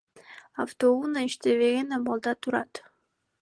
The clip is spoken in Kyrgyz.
Автоунаа иштебеген абалда турат.